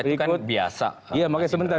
itu kan biasa iya sebentar